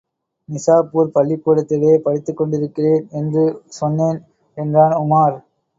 நிசாப்பூர் பள்ளிக்கூடத்திலே படித்துக் கொண்டிருக்கிறேன் என்று சொன்னேன் என்றான் உமார்.